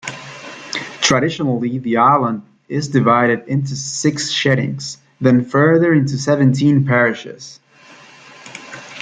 Traditionally the Island is divided into six sheadings, then further into seventeen parishes.